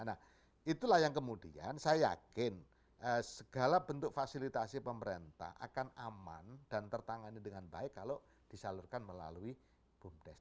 nah itulah yang kemudian saya yakin segala bentuk fasilitasi pemerintah akan aman dan tertangani dengan baik kalau disalurkan melalui bumdes